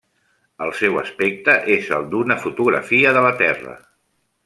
El seu aspecte és el d'una fotografia de la Terra.